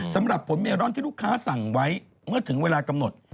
สำหรับผลเมรอนที่ลูกค้าสั่งไว้เมื่อถึงเวลากำหนด